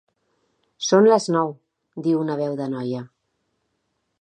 Són les nou —diu una veu de noia.